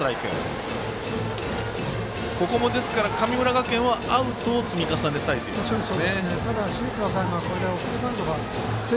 ここも、ですから神村学園はアウトを積み重ねたいところです。